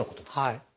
はい。